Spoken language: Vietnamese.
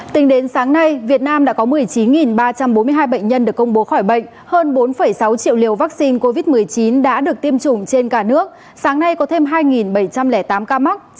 tính đến sáng nay việt nam đã có một mươi chín ba trăm bốn mươi hai bệnh nhân được công bố khỏi bệnh hơn bốn sáu triệu liều vaccine covid một mươi chín đã được tiêm chủng trên cả nước sáng nay có thêm hai bảy trăm linh tám ca mắc